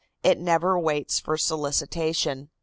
It never waits for solicitation.